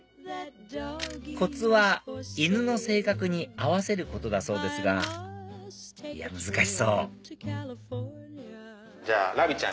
コツは犬の性格に合わせることだそうですがいや難しそうラビちゃん